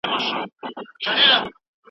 پولیسو د غلا ځای موندلی و.